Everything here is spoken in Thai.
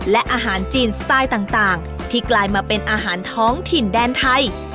และอาหารจีนสไตล์ต่างที่กลายมาเป็นอาหารท้องถิ่นแดนไทย